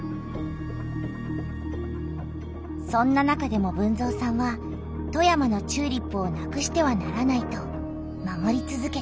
そんな中でも豊造さんは富山のチューリップをなくしてはならないと守りつづけた。